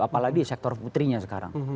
apalagi sektor putrinya sekarang